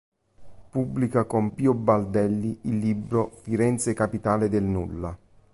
Pubblica con Pio Baldelli il libro "Firenze capitale del nulla".